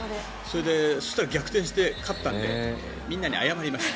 そうしたら逆転して勝ったのでみんなに謝りました。